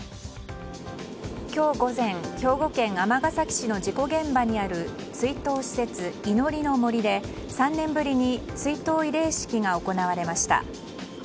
今日午前兵庫県尼崎市の事故現場にある追悼施設、祈りの杜で３年ぶりに追悼慰霊式が行われました。